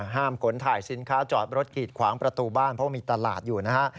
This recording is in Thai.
ขนถ่ายสินค้าจอดรถกีดขวางประตูบ้านเพราะมีตลาดอยู่นะฮะ